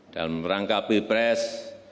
dan merangkapi pres